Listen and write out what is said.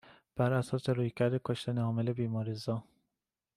بر اساس رویکرد کشتن عامل بیماریزا